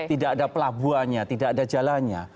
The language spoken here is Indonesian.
tidak ada pelabuhannya tidak ada jalannya